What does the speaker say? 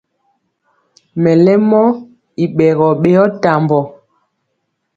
Mɛlɛmɔ i ɓɛgɔ ɓeyɔ tambɔ.